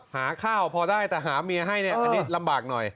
หาข้าวพอได้แต่หาเมียให้เนี่ยอันนี้ลำบากหน่อย